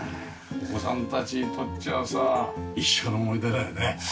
お子さんたちにとってはさ一生の思い出だよね。